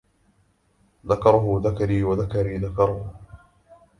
ذكره ذكري وذكري ذكره